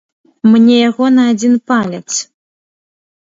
Мне яго на адзін палец!